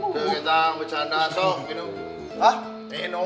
kita bercanda sok minum